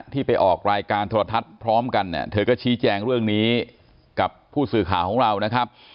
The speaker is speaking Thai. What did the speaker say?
ที่ไปออกรายการโทรทัศน์พร้อมกันเนี่ยเธอก็ชี้แจงเรื่องนี้กับผู้สื่อข่าวของเรานะครับ